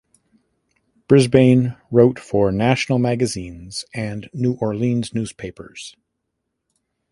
Brisbane wrote for national magazines and New Orleans newspapers.